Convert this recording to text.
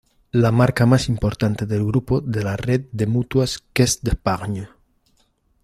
La marca más importante del grupo de la red de mutuas Caisse d'Epargne.